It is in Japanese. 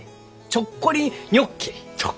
ちょっこりニョッキリ！？